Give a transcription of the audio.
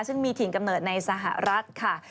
ซึ่งมีถิ่นกำเนิดในสหรัฐค่ะ